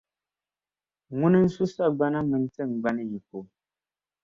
Ŋuna n-su sagbana mini tiŋgbani yiko.